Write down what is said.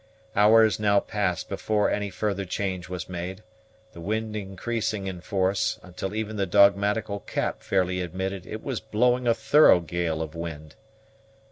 Hours now passed before any further change was made, the wind increasing in force, until even the dogmatical Cap fairly admitted it was blowing a thorough gale of wind.